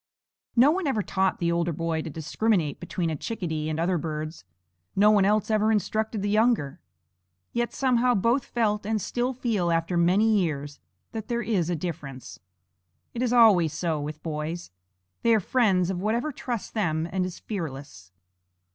No one ever taught the older boy to discriminate between a chickadee and other birds; no one else ever instructed the younger. Yet somehow both felt, and still feel after many years, that there is a difference. It is always so with boys. They are friends of whatever trusts them and is fearless.